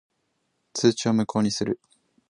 通知を無効にする。